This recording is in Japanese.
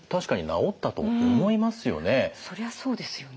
そりゃそうですよね。